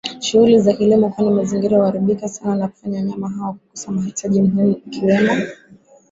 shughuli za kilimo kwani mazingira huaribika sana nakufanya wanyama hawa kukosa mahitaji muhimu ikiwemo